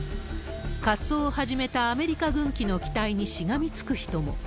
滑走を始めたアメリカ軍機の機体にしがみつく人も。